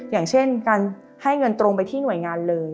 อย่างเช่นการให้เงินตรงไปที่หน่วยงานเลย